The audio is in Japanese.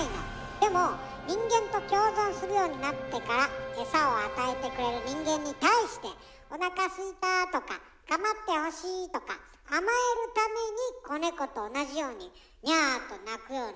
でも人間と共存するようになってから餌を与えてくれる人間に対して「おなかすいた」とか「かまってほしい」とか甘えるために子ネコと同じようにニャーと鳴くようになったんだって。